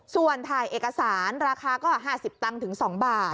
ส่วนถ่ายเอกสารราคาก็๕๐ตังค์ถึง๒บาท